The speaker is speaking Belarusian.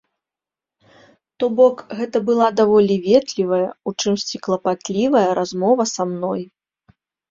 То бок, гэта была даволі ветлівая, у чымсьці клапатлівая размова са мной.